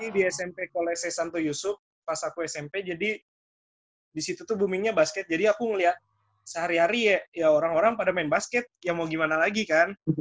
di smp kolese santo yusuf pas aku smp jadi disitu tuh boomingnya basket jadi aku ngeliat sehari hari ya orang orang pada main basket ya mau gimana lagi kan